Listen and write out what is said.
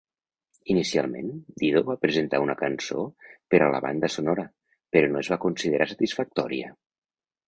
Inicialment, Dido va presentar una cançó per a la banda sonora, però no es va considerar satisfactòria.